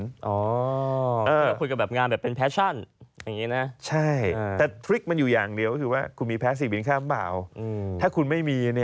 ก็คุยกับงานแบบเป็นปรัจจันอย่างนี้นะ